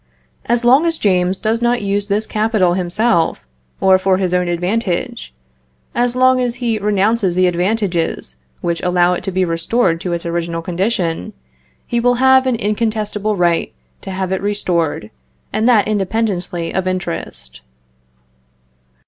As long as James does not use this capital himself, or for his own advantage as long as he renounces the advantages which allow it to be restored to its original condition he will have an incontestable right to have it restored, and that independently of interest.